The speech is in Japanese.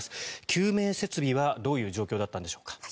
救命設備はどういう状況だったんでしょう。